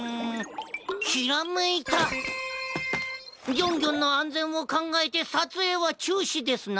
ギョンギョンのあんぜんをかんがえてさつえいはちゅうしですな！